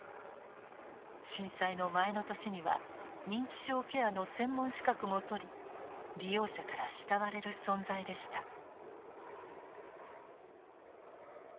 震災の前の年には認知症ケアの専門資格も取り利用者から慕われる存在でした。